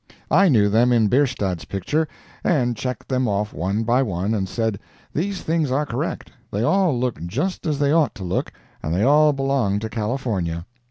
I knew them in Bierstadt's picture, and checked them off one by one, and said "These things are correct—they all look just as they ought to look, and they all belong to California."